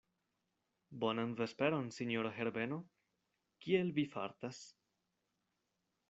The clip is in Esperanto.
Bonan vesperon, sinjoro Herbeno; kiel vi fartas?